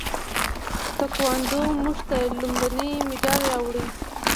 تکواندو موږ ته لومړنی مډال راوړ.